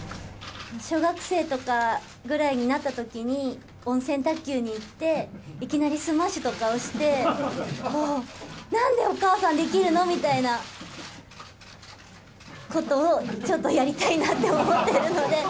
小学生とかぐらいになったときに、温泉卓球に行って、いきなりスマッシュとかをして、なんでお母さんできるの？みたいなことを、ちょっとやりたいなと思っているので。